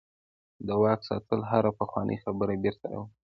د واک ساتل هره پخوانۍ خبره بیرته راولي.